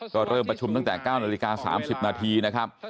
ก็เริ่มประชุมตั้งแต่๙นาฬิกา๓๐นาทีนะครับ